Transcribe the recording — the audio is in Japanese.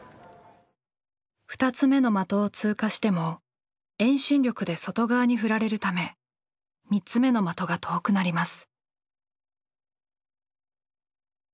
２つ目の的を通過しても遠心力で外側に振られるため３つ目の的が遠くなります。